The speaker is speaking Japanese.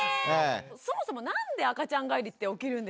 そもそもなんで赤ちゃん返りって起きるんですか？